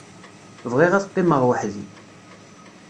Bɣiɣ ad qqimeɣ weḥd-i.